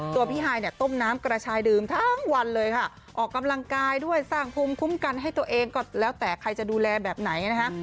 พี่ฮายเนี่ยต้มน้ำกระชายดื่มทั้งวันเลยค่ะออกกำลังกายด้วยสร้างภูมิคุ้มกันให้ตัวเองก็แล้วแต่ใครจะดูแลแบบไหนนะคะ